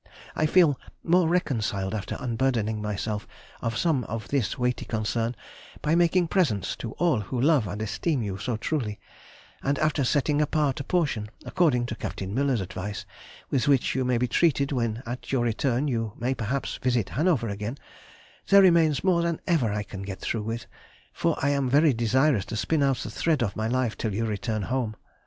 I feel more reconciled after unburdening myself of some of this weighty concern by making presents to all who love and esteem you so truly, and after setting apart a portion, according to Captain Müller's advice, with which you may be treated when at your return you may perhaps visit Hanover again, there remains more than ever I can get through with, for I am very desirous to spin out the thread of my life till you return home.